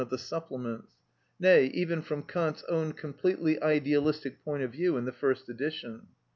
of the supplements; nay, even from Kant's own completely idealistic point of view in the first edition.